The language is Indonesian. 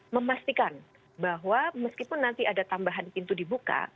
memastikan bahwa meskipun nanti ada tambahan pintu dibuka